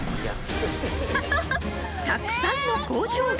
［たくさんの工場が］